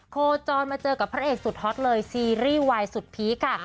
โคจรมาเจอกับพระเอกสุดฮอตเลยซีรีส์วายสุดพีคค่ะ